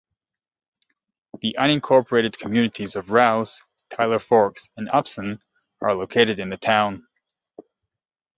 The unincorporated communities of Rouse, Tyler Forks, and Upson are located in the town.